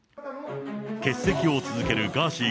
欠席を続けるガーシー